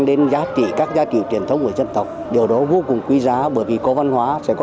đến giá trị các giá trị truyền thống của dân tộc điều đó vô cùng quý giá bởi vì có văn hóa sẽ có